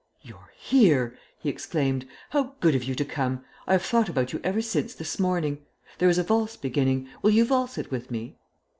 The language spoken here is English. "You're here!" he exclaimed. "How good of you to come. I have thought about you ever since this morning. There is a valse beginning. Will you valse it with me?"